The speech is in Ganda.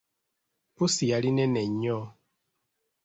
Pussi yali nnene nnyo.